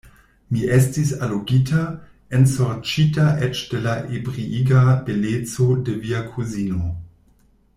Mi estis allogita, ensorĉita eĉ de la ebriiga beleco de via kuzino.